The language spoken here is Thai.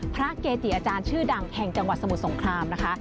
เกจิอาจารย์ชื่อดังแห่งจังหวัดสมุทรสงครามนะคะ